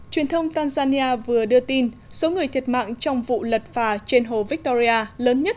truyền thông tanzania vừa đưa tin số người thiệt mạng trong vụ lật phà trên hồ victoria lớn nhất